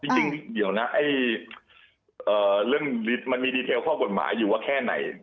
จริงเดี๋ยวนะเรื่องมันมีดีเทลข้อกฎหมายอยู่ว่าแค่ไหน